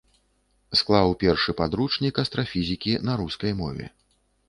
Склаў першы падручнік астрафізікі на рускай мове.